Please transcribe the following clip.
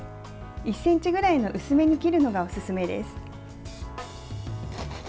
１ｃｍぐらいの薄めに切るのがおすすめです。